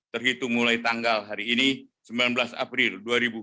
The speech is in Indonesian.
terhitung mulai tanggal hari ini sembilan belas april dua ribu dua puluh